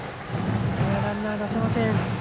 ランナー出せません。